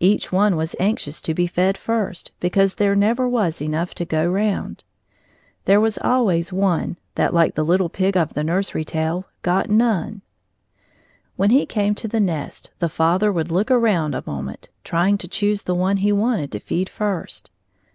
Each one was anxious to be fed first, because there never was enough to go round. There was always one that, like the little pig of the nursery tale, "got none." When he came to the nest, the father would look around a moment, trying to choose the one he wanted to feed first.